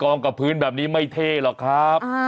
กล้องกระพื้นแบบนี้ไม่เท่หรอกครับ